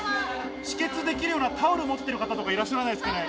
止血できるようなタオル持ってる方とかいらっしゃらないですかね。